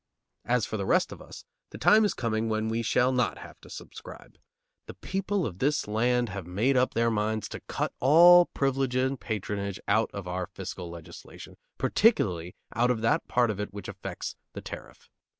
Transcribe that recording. As for the rest of us, the time is coming when we shall not have to subscribe. The people of this land have made up their minds to cut all privilege and patronage out of our fiscal legislation, particularly out of that part of it which affects the tariff.